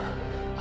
あ！